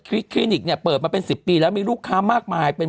คลินิกเนี่ยเปิดมาเป็น๑๐ปีแล้วมีลูกค้ามากมายเป็น